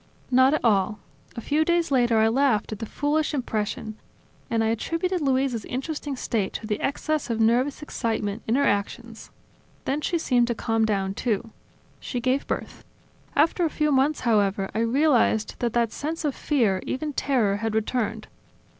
"Not at all. A few days later I laughed at that foolish impression; and I attributed Luisa's interesting state to the excess of nervous excitement in her actions. Then she seemed to calm down, too. She gave birth. After a few months, however, I realized that that sense of fear, even terror, had returned.